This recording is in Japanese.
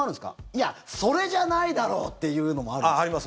いや、それじゃないだろうっていうのもあるんですか？